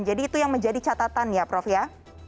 jadi itu yang menjadi catatan ya prof ya